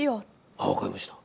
あ分かりました。